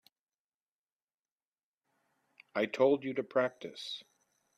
I told you to practice.